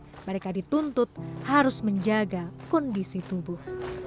mereka dituntut harus menjaga kondisi tubuh